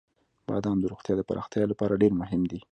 • بادام د روغتیا د پراختیا لپاره ډېر مهم دی.